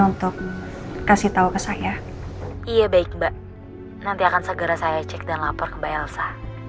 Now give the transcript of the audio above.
untuk kasih tahu ke saya iya baik mbak nanti akan segera saya cek dan lapor ke mbak elsa